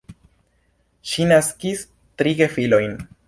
Ŝi naskis tri gefilojn.